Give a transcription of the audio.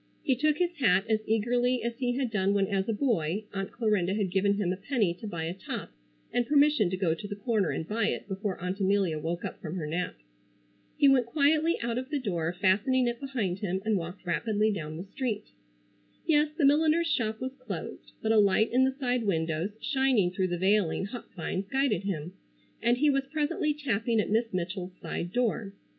He took his hat as eagerly as he had done when as a boy Aunt Clarinda had given him a penny to buy a top and permission to go to the corner and buy it before Aunt Amelia woke up from her nap. He went quietly out of the door, fastening it behind him and walked rapidly down the street. Yes, the milliner's shop was closed, but a light in the side windows shining through the veiling hop vines guided him, and he was presently tapping at Miss Mitchell's side door.